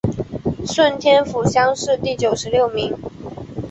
顺天府乡试第九十六名。